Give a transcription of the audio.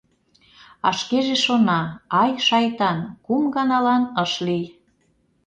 — А шкеже шона: «Ай, шайтан, кум ганалан ыш лий...»